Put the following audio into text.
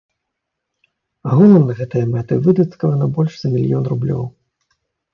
Агулам на гэтыя мэты выдаткавана больш за мільён рублёў.